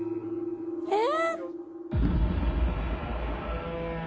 えっ！